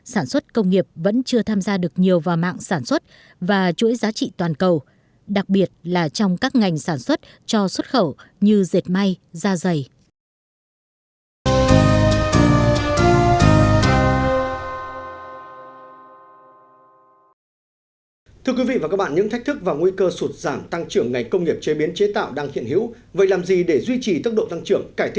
sản xuất công nghiệp vẫn chưa tham gia được nhiều vào mạng sản xuất và chuỗi giá trị toàn cầu đặc biệt là trong các ngành sản xuất cho xuất khẩu như dệt may da dày